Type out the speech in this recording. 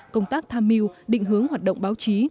công tác tham mưu định hướng hoạt động báo chí